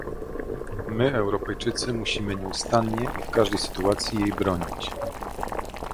My, Europejczycy, musimy nieustannie i w każdej sytuacji jej bronić